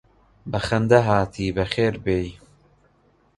بە خەندە هاتی بەخێر بێی